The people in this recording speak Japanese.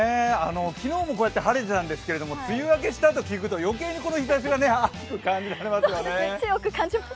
昨日もこうやって晴れていたんですけれども梅雨明けしたと聞くと、余計にこの日ざしが暑く感じますよね。